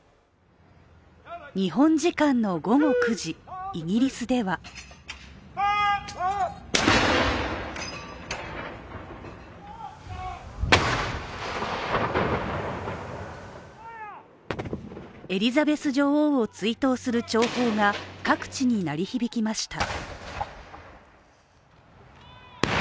日本時間の午後９時、イギリスではエリザベス女王を追悼する弔砲が各地に鳴り響きました。